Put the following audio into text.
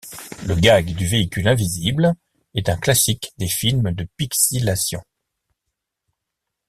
Le gag du véhicule invisible est un classique des films de pixilation.